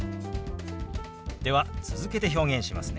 では続けて表現しますね。